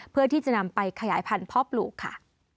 เพื่อที่จะนำไปขยายพันธุ์พ่อปลูกค่ะ